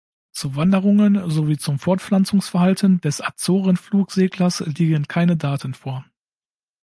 Zu Wanderungen sowie zum Fortpflanzungsverhalten des Azoren-Flugseglers liegen keine Daten vor.